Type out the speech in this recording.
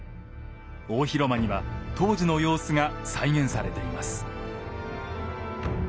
大広間には当時の様子が再現されています。